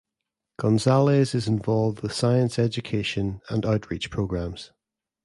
Gonzales is involved with science education and outreach programs.